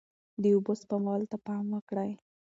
د اوبو سپمولو ته پام وکړئ.